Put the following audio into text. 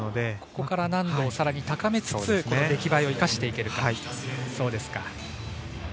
ここから難度をさらに高めつつ出来栄えを生かしていけるか。